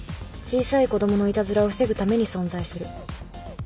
小さい子供のいたずらを防ぐために存在する。